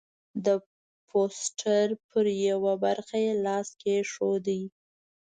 د پوسټر پر یوه برخه یې لاس کېښود.